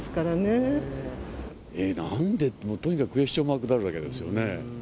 なんで？って、とにかくクエスチョンマークだらけですよね。